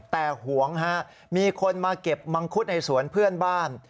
แต่ห่วงฮะมีคนมาเก็บมังคุดในสวนเพื่อนบ้าน